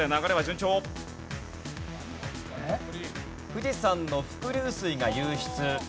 富士山の伏流水が湧出。